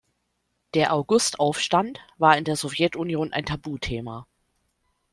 Der August-Aufstand war in der Sowjetunion ein Tabuthema.